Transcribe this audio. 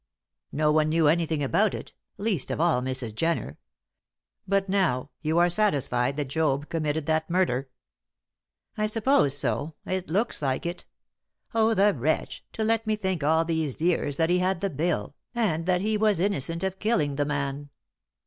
"No one knew anything about it least of all Mrs. Jenner. But now you are satisfied that Job committed that murder?" "I suppose so; it looks like it. Oh, the wretch, to let me think all these years that he had the bill, and that he was innocent of killing the man!"